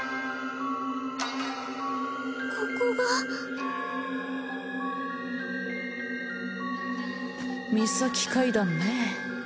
ここがミサキ階段ねえ